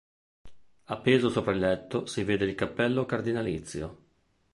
Appeso sopra il letto si vede il cappello cardinalizio.